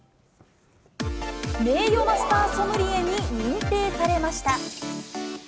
名誉マスター・ソムリエに認定されました。